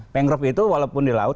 pengop itu walaupun di laut